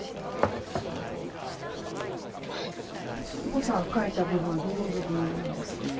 靜子さん描いた部分はどの部分なんですか？